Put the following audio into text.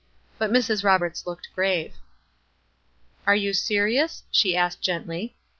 But Mrs. Roberts looked grave. "Are you serious?" she asked, gently.